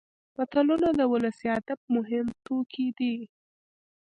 متلونه د ولسي ادب مهم توکي دي